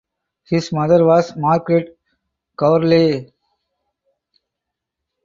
His mother was Margaret Gourlay.